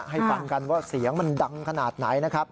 ให้ฟังกันว่าเสียงมันดังขนาดไหนนะครับ